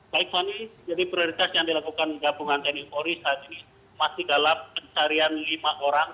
baik fani jadi prioritas yang dilakukan gabungan tni polri saat ini masih dalam pencarian lima orang